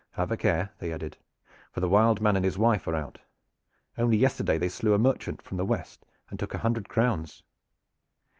"Have a care," they added, "for the 'Wild Man' and his wife are out. Only yesterday they slew a merchant from the west and took a hundred crowns."